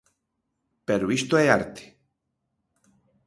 Pero isto é arte.